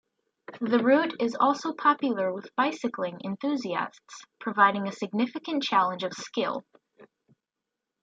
The route is also popular with bicycling enthusiasts, providing a significant challenge of skill.